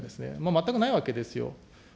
全くないわけですよ。